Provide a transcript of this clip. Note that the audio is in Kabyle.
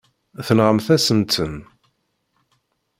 Tenɣamt-asen-ten.